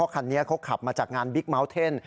เขาขับมาจากงานบิ๊กเมาเทน